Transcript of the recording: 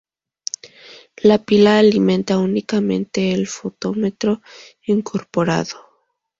La pila alimenta únicamente el fotómetro incorporado.